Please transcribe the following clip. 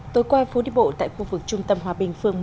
tối qua phố đi bộ tại khu vực trung tâm hòa bình phường một